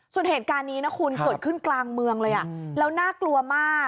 ส่วนเหตุการณ์นี้นะคุณเกิดขึ้นกลางเมืองเลยแล้วน่ากลัวมาก